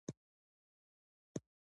مرکه کېدونکی باید مزد ورکړل شي.